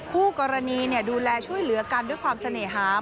คู่กรณีดูแลช่วยเหลือกันด้วยความเสน่หาม